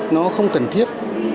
nó không cần thiết